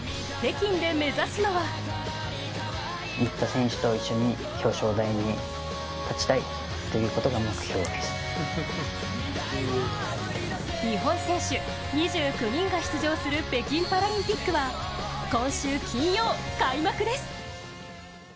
北京で目指すのは日本選手２９人が出場する北京パラリンピックは今週金曜、開幕です。